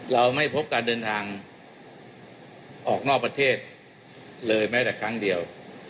เราไม่พบการเดินทางออกนอกประเทศเลยแม้แต่ครั้งเดียว